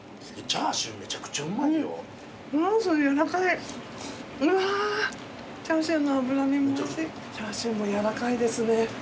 チャーシューも軟らかいですね。